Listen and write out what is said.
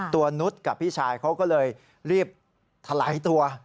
นุษย์กับพี่ชายเขาก็เลยรีบถลายตัว